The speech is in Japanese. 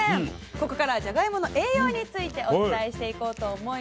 ここからはじゃがいもの栄養についてお伝えしていこうと思います。